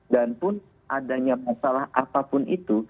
dan pun adanya masalah apapun itu